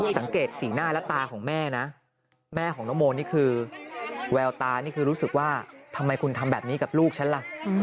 สังเกตสีหน้าและตาของแม่นะแม่ของน้องโมนี่คือแววตานี่คือรู้สึกว่าทำไมคุณทำแบบนี้กับลูกฉันล่ะ